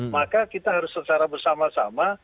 maka kita harus secara bersama sama